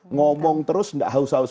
ngomong terus gak haus haus